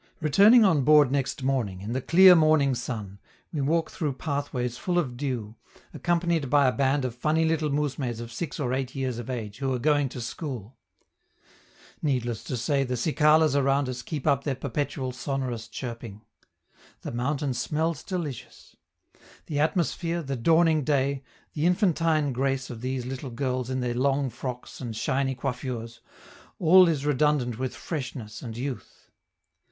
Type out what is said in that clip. Returning on board next morning, in the clear morning sun, we walk through pathways full of dew, accompanied by a band of funny little mousmes of six or eight years of age, who are going to school. Needless to say, the cicalas around us keep up their perpetual sonorous chirping. The mountain smells delicious. The atmosphere, the dawning day, the infantine grace of these little girls in their long frocks and shiny coiffures all is redundant with freshness and youth.